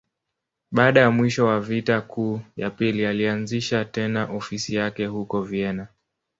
Baada ya mwisho wa Vita Kuu ya Pili, alianzisha tena ofisi yake huko Vienna.